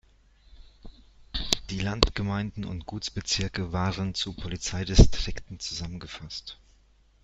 Die Landgemeinden und Gutsbezirke waren zu Polizeidistrikten zusammengefasst.